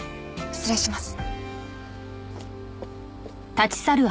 失礼します。